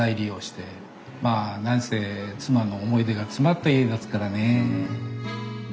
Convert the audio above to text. まあ何せ妻の思い出が詰まった家ですからね。